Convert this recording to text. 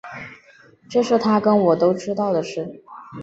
这是他跟我都知道的事